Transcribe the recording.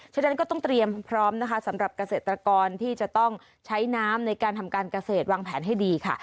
ฉะนั้นก็ต้องเตรียมพร้อมนะคะสำหรับเกษตรกรที่จะต้องใช้น้ำในการทำการเกษตรวางแผนให้ดีค่ะ